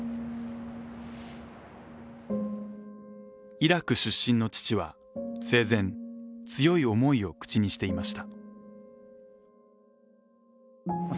イラク出身の父は生前、強い思いを口にしていました。